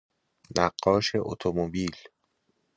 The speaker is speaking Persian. نقاش اتومبیل